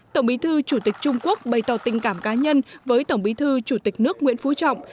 tổng bí thư chủ tịch trung quốc bày tỏ tình cảm cá nhân với tổng bí thư chủ tịch nước nguyễn phú trọng